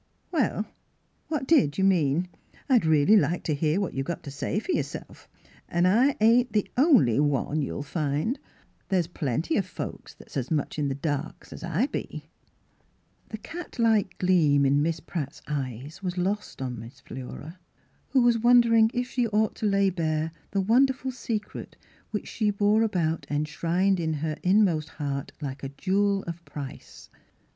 Well, what did you mean? I'd really like to hear what you've got to say fer yourself. An' I ain't the only one, you'll Miss Fhilura's Wedding Gown find. There's plenty of folks that's as much in the dark as I be." The cat like gleam in Miss Pratt's eyes was lost upon Miss Philura, who was won dering if she ought to lay bare the wonder ful secret which she bore about enshrined in her inmost heart like a jewel of price.